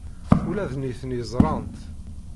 Ula d nitni ẓran-tt.